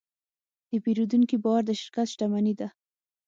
د پیرودونکي باور د شرکت شتمني ده.